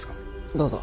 どうぞ。